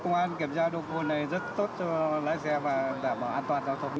công an kiểm tra độc vụ này rất tốt cho lái xe và đảm bảo an toàn giao thông